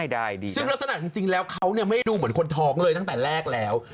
อยากที่เห็นซึ่งลักษณะจริงแล้วเขาไม่ดูเหมือนคนท้องเลยตั้งแต่แรกแล้ว